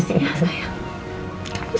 makasih ya sayang